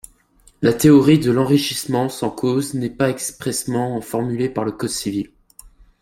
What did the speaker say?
La théorie de l'enrichissement sans cause n'est pas expressément formulée par le code civil.